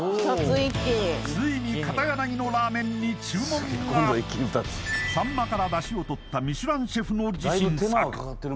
ついに片柳のラーメンに注文がサンマから出汁をとったミシュランシェフの自信作